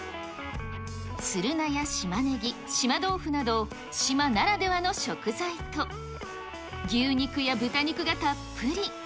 つるなや島ネギ、島豆腐など、島ならではの食材と、牛肉や豚肉がたっぷり。